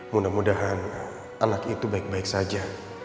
mudah mudahan anak itu baik baik saja